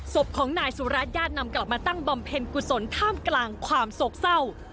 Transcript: ศพของนายสุรัตนญาตินำกลับมาตั้งบำเพ็ญกุศลท่ามกลางความโศกเศร้า